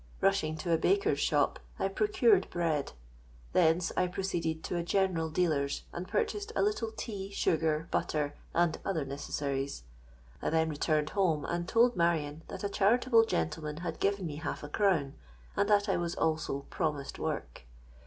Rushing to a baker's shop, I procured bread: thence I proceeded to a general dealer's, and purchased a little tea, sugar, butter, and other necessaries. I then returned home, and told Marion that a charitable gentleman had given me half a crown, and that I was also promised work.